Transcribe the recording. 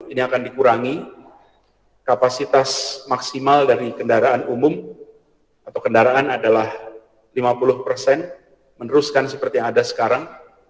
ini akan dikurangi kapasitas maksimal dari kendaraan umum atau kendaraan adalah lima puluh persen meneruskan seperti yang ada sekarang